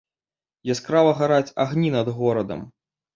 Яскрава гараць агні над горадам.